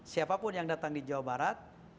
siapapun yang datang di jawa barat